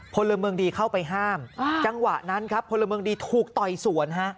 พลเมืองดีเข้าไปห้ามจังหวะนั้นครับพลเมืองดีถูกต่อยสวนฮะ